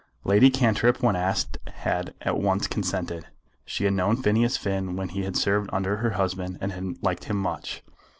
Lady Cantrip when asked had at once consented. She had known Phineas Finn when he had served under her husband, and had liked him much.